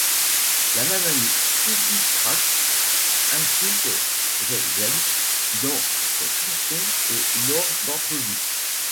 La même année, Peedi Crakk insulte Jay-Z dans ses chansons et lors d'entrevues.